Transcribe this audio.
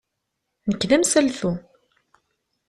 Nekk d amsaltu.